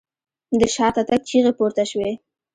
د شاته تګ چيغې پورته شوې.